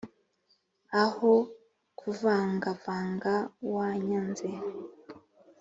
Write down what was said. aho kuvanga vanga wanyanze